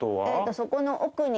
そこの奥に。